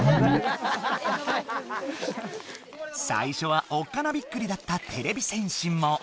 最初はおっかなびっくりだったてれび戦士も。